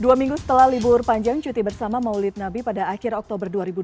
dua minggu setelah libur panjang cuti bersama maulid nabi pada akhir oktober dua ribu dua puluh